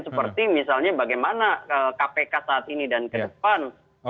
seperti misalnya bagaimana kpk saat ini dan ke depan